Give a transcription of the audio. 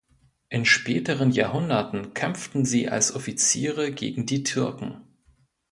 In späteren Jahrhunderten kämpften sie als Offiziere gegen die Türken.